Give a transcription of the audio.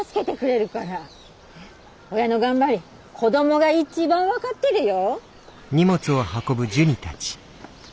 親の頑張り子どもが一番分かってるよ。